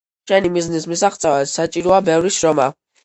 შენი მიზნის მისაღწევად საჭიროა ბევრი შრომაა..!